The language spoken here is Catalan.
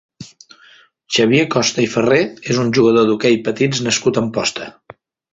Xavier Costa i Ferré és un jugador d'hoquei patins nascut a Amposta.